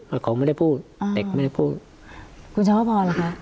เขาไม่ได้พูดอ่าเด็กไม่ได้พูดคุณช้าวพอล่ะคะ